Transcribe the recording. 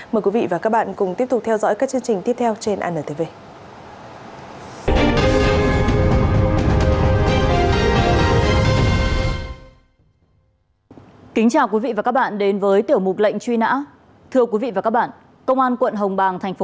mời quý vị và các bạn cùng tiếp tục theo dõi các chương trình tiếp theo trên antv